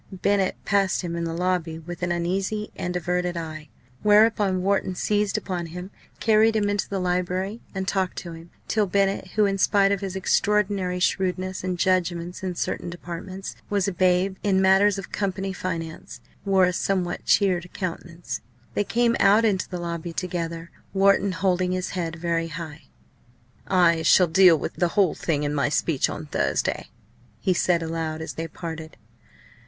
Bennett passed him in the lobby with an uneasy and averted eye. Whereupon Wharton seized upon him, carried him into the Library, and talked to him, till Bennett, who, in spite of his extraordinary shrewdness and judgment in certain departments, was a babe in matters of company finance, wore a somewhat cheered countenance. They came out into the lobby together, Wharton holding his head very high. "I shall deal with the whole thing in my speech on Thursday!" he said aloud, as they parted.